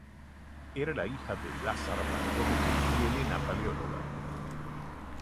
Era la hija de Lazar Branković y Helena Paleóloga.